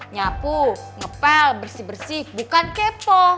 nyapu ngepel bersih bersih bukan kepo